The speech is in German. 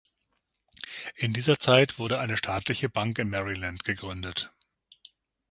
In dieser Zeit wurde eine staatliche Bank in Maryland gegründet.